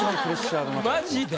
マジで？